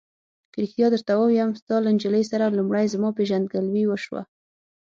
که رښتیا درته ووایم، ستا له نجلۍ سره لومړی زما پېژندګلوي وشوه.